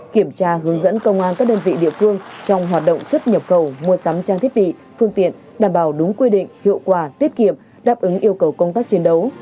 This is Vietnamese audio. kiểm tra hướng dẫn công an các đơn vị địa phương trong hoạt động xuất nhập khẩu mua sắm trang thiết bị phương tiện đảm bảo đúng quy định hiệu quả tiết kiệm đáp ứng yêu cầu công tác chiến đấu